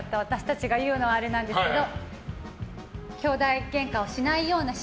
私たちが言うのはあれですけど。